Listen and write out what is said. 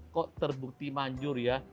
kok terbukti manjur ya